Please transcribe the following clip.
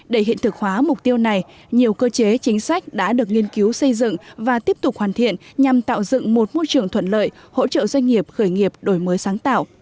để hiện thực hóa mục tiêu này nhiều cơ chế chính sách đã được nghiên cứu xây dựng và tiếp tục hoàn thiện nhằm tạo dựng một môi trường thuận lợi hỗ trợ doanh nghiệp khởi nghiệp đổi mới sáng tạo